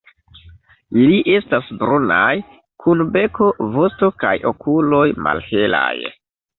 Ili estas brunaj, kun beko, vosto kaj okuloj malhelaj.